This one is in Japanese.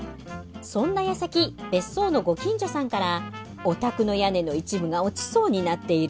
そんなやさき別荘のご近所さんから「お宅の屋根の一部が落ちそうになっている。